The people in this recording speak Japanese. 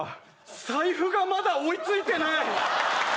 財布がまだ追いついてない！